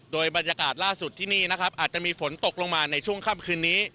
โดยบรรยากาศล่าสุดที่นี่นะครับอาจจะมีฝนตกลงมาในช่วงค่ำคืนนี้